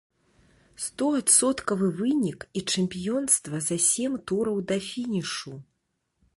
Стоадсоткавы вынік і чэмпіёнства за сем тураў да фінішу!